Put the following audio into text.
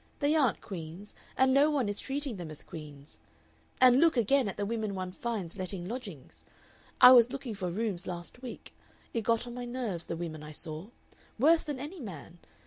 They aren't queens, and no one is treating them as queens. And look, again, at the women one finds letting lodgings.... I was looking for rooms last week. It got on my nerves the women I saw. Worse than any man.